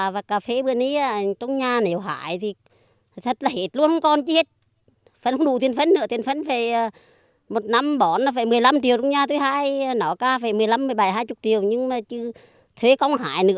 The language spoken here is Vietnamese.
thế không hái nữa là nội chúng nó bu lỗ không còn